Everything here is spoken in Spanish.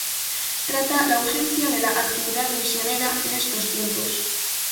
Trata la urgencia de la actividad misionera en estos tiempos.